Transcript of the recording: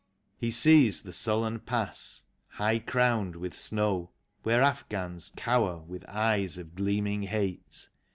He sees the sullen pass, high crowned with snow. Where Afghans cower with eyes of gleaming hate.